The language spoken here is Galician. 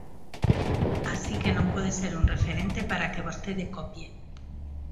Así que non pode ser un referente para que vostede copie.